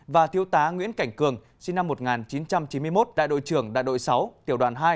và thiếu tá nguyễn cảnh cường sinh năm một nghìn chín trăm chín mươi một đại đội trưởng đại đội sáu tiểu đoàn hai